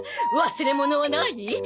忘れ物はない！？